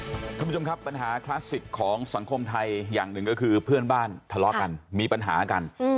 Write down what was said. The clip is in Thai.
คุณผู้ชมครับปัญหาคลาสสิกของสังคมไทยอย่างหนึ่งก็คือเพื่อนบ้านทะเลาะกันมีปัญหากัน